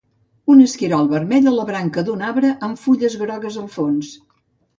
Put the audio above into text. Un esquirol vermell a la branca d'un arbre amb fulles grogues al fons.